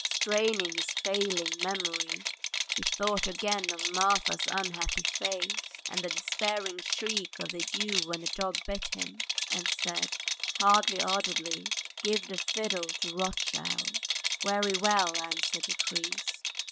straining his failing memory he thought again of Marfa's unhappy face, and the despairing shriek of the Jew when the dog bit him, and said, hardly audibly, "Give the fiddle to Rothschild." "Very well," answered the priest.